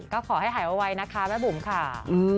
ก็ขอให้หายไวนะคะแม่บุ๋มค่ะ